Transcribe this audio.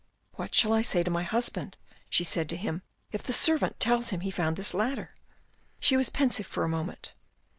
" What shall I say to my husband," she said to him. " If the servant tells him he found this ladder ?" She was pensive for a moment.